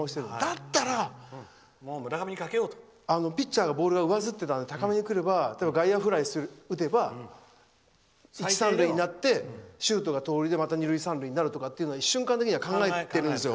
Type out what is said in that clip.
だったら、ピッチャーがボールが上ずってたので高めに来れば、外野フライ打てば１、３塁になって周東が盗塁でまた二塁、三塁になるって瞬間的には考えてるんですよ